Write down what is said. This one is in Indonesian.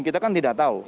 kita kan tidak tahu